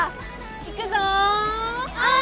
いくぞお！